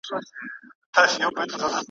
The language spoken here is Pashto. دروازه د هر طبیب یې ټکوله `